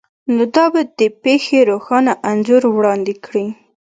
نو دا به د پیښې روښانه انځور وړاندې کړي